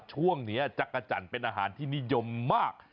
ช่วงนี้จักรจันทร์เป็นอาหารที่นิยมมาก